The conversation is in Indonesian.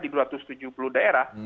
di dua ratus tujuh puluh daerah